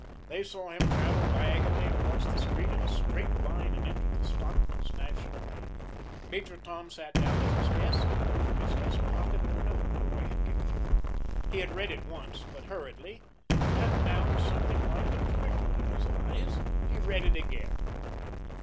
They saw him travel diagonally across the street in a straight line and enter the Stockmen's National Bank. Major Tom sat down at his desk, and drew from his vest pocket the note Roy had given him. He had read it once, but hurriedly, and now, with something like a twinkle in his eyes, he read it again.